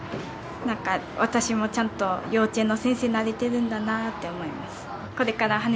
なんか私もちゃんと幼稚園の先生になれているんだなって思います。